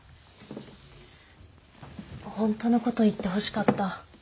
本当のこと言ってほしかった。